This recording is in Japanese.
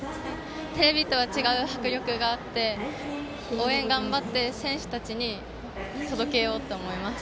テレビとは違う迫力があって応援、頑張って選手たちに届けようと思います。